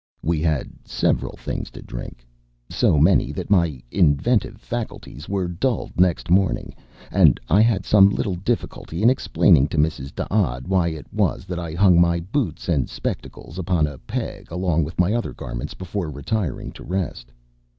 We had several things to drink so many that my inventive faculties were dulled next morning, and I had some little difficulty in explaining to Mrs. D'Odd why it was that I hung my boots and spectacles upon a peg along with my other garments before retiring to rest.